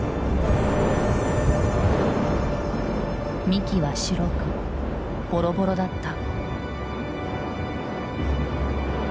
幹は白くボロボロだった。